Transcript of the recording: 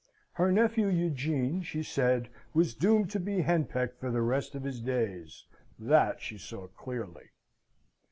Her nephew Eugene, she said, was doomed to be henpecked for the rest of his days that she saw clearly.